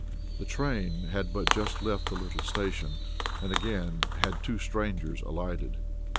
The train had but just left the little station, and again had two strangers alighted.